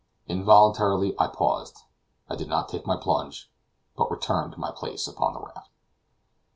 Involuntarily I paused; I did not take my plunge, but returned to my place upon the raft.